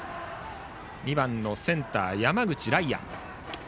２番のセンター、山口頼愛。